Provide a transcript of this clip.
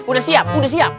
udah siap udah siap